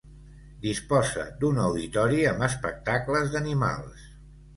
Disposa d'un auditori amb espectacles d'animals.